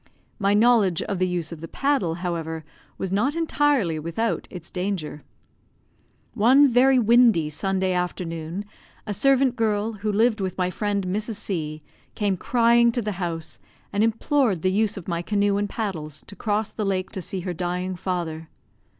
My knowledge of the use of the paddle, however, was not entirely without its danger. One very windy Sunday afternoon, a servant girl, who lived with my friend Mrs. C , came crying to the house, and implored the use of my canoe and paddles, to cross the lake to see her dying father.